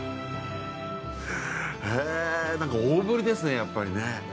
へえ大ぶりですねやっぱりね。